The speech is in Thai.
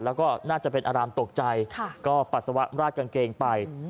แล้วก็น่าจะเป็นอารามตกใจก็ปัสสาวะราดกางเกงไป